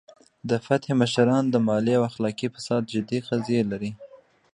د فتح مشران د مالي او اخلاقي فساد جدي قضیې لري.